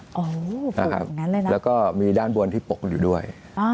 โอ้โฟอย่างนั้นเลยนะครับแล้วก็มีด้านบนที่ปกอยู่ด้วย